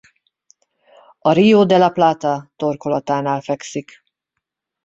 A Río de la Plata torkolatánál fekszik.